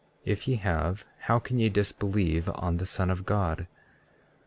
If ye have, how can ye disbelieve on the Son of God?